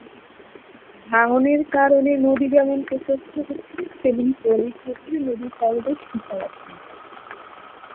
ভাঙনের কারণে নদী যেমন প্রশস্ত হচ্ছে, তেমনি পলির প্রভাবে নদীর তলদেশ ভরাট হয়ে যাচ্ছে।